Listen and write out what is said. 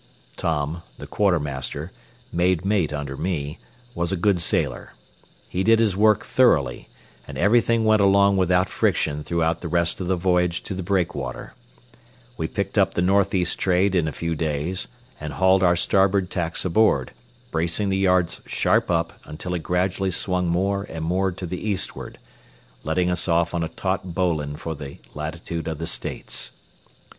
Tom, the quartermaster, made mate under me, was a good sailor. He did his work thoroughly, and everything went along without friction throughout the rest of the voyage to the Breakwater. We picked up the northeast trade in a few days, and hauled our starboard tacks aboard, bracing the yards sharp up until it gradually swung more and more to the eastward, letting us off on a taut bowline for the latitude of the States.